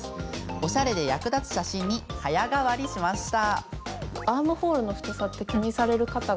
おしゃれで役立つ写真に早変わりしました。